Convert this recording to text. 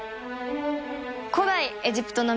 古代エジプトの皆さん